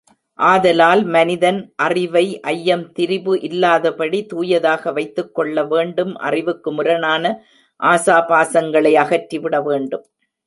ஆதலால் மனிதன் அறிவை ஐயம், திரிபு இல்லாதபடி தூயதாக வைத்துக்கொள்ள வேண்டும் அறிவுக்கு முரணான ஆசாபாசங்களை அகற்றிவிட வேண்டும்.